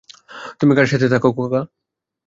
তুমি কার সাথে থাকো?